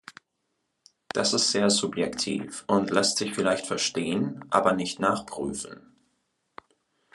Das ist sehr subjektiv und lässt sich vielleicht verstehen, aber nicht nachprüfen.